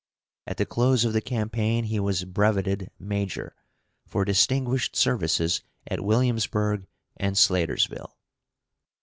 At the close of the campaign he was brevetted major, for distinguished services at Williamsburg and Slatersville.